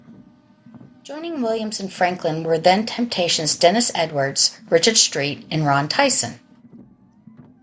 Joining Williams and Franklin were then-Temptations Dennis Edwards, Richard Street, and Ron Tyson.